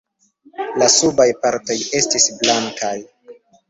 La subaj partoj estis blankaj.